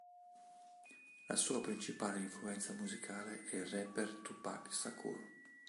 La sua principale influenza musicale è il rapper Tupac Shakur.